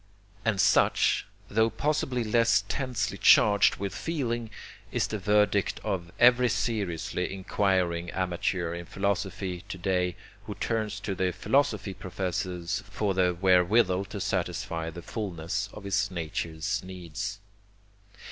And such, tho possibly less tensely charged with feeling, is the verdict of every seriously inquiring amateur in philosophy to day who turns to the philosophy professors for the wherewithal to satisfy the fulness of his nature's needs.